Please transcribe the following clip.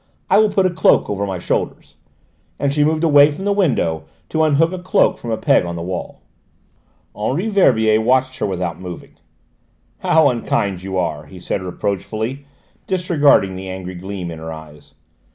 I will put a cloak over my shoulders," and she moved away from the window to unhook a cloak from a peg on the wall. Henri Verbier watched her without moving. "How unkind you are!" he said reproachfully, disregarding the angry gleam in her eyes.